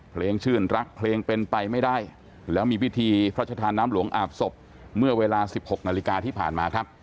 เพลงชื่นรักเพลงเป็นไปไม่ได้แล้วมีพิธีพระชธานน้ำหลวงอาบศพเมื่อเวลา๑๖นาฬิกาที่ผ่านมาครับ